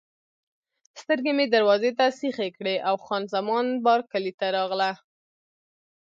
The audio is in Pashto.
سترګې مې دروازې ته سیخې کړې او خان زمان بارکلي راغله.